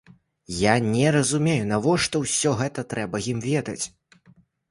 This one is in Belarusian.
Я не разумею, навошта ўсё гэта трэба ім ведаць.